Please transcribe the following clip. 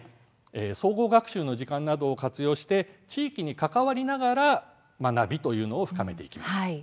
総合学習の時間などを活用して地域に関わりながら学びを深めていきます。